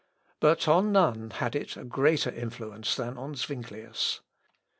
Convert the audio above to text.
But on none had it a greater influence than on Zuinglius.